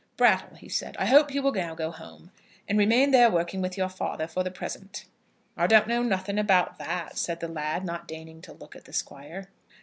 "Brattle," he said, "I hope you will now go home, and remain there working with your father for the present." "I don't know nothing about that," said the lad, not deigning to look at the Squire.